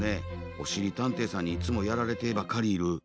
おしりたんていさんにいつもやられてばかりいる。